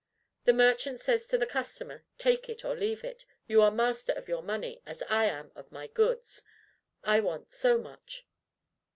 The merchant says to the customer, "Take it or leave it; you are master of your money, as I am of my goods. I want so much."